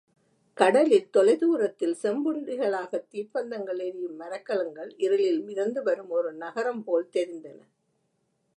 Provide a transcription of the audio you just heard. கடலில் தொலை தூரத்தில் செம்புள்ளிகளாகத் தீப்பந்தங்கள் எரியும் மரக்கலங்கள் இருளில் மிதந்து வரும் ஒரு நகரம் போல் தெரிந்தன.